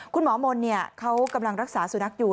คุณหมอมนต์เขากำลังรักษาสุนัขอยู่